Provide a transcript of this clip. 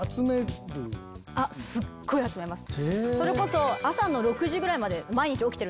すっごい集めます。